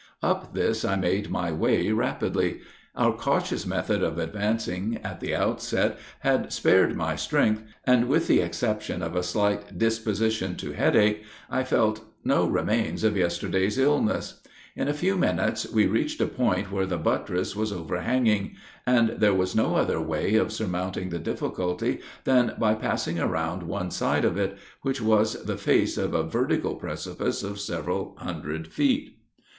Up this, I made my way rapidly. Our cautious method of advancing, at the outset, had spared my strength; and, with the exception of a slight disposition to headache, I felt no remains of yesterday's illness, In a few minutes we reached a point where the buttress was overhanging, and there was no other way of surmounting the difficulty than by passing around one side of it, which was the face of a vertical precipice of several hundred feet.